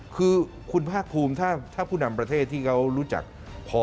คือคุณภาคภูมิถ้าผู้นำประเทศที่เขารู้จักพอ